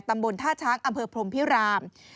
ตำบลท่าช้างอำเภอพรมพิราม